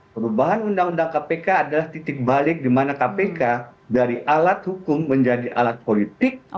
perubahan undang undang kpk adalah titik balik di mana kpk dari alat hukum menjadi alat politik